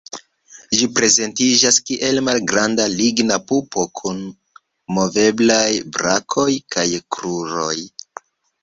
Ĝi prezentiĝas kiel malgranda ligna pupo kun moveblaj brakoj kaj kruroj.